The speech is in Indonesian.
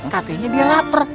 katanya dia lapar